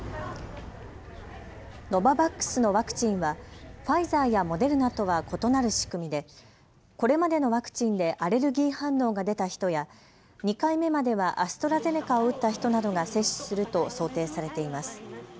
ノババックスのワクチンはファイザーやモデルナとは異なる仕組みでこれまでのワクチンでアレルギー反応が出た人や２回目まではアストラゼネカを打った人などが接種すると想定されています。